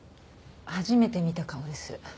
初めて見た顔です。